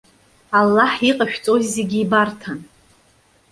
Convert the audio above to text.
Аллаҳ иҟашәҵоз зегьы ибарҭан.